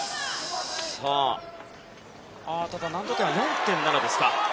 ただ、難度点は４．７ですか。